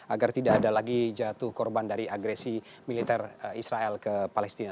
agar tidak ada lagi jatuh korban dari agresi militer israel ke palestina